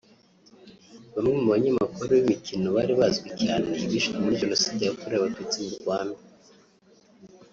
Bamwe mu banyamakuru b’imikino bari bazwi cyane bishwe muri Jenoside yakorewe abatutsi mu Rwanda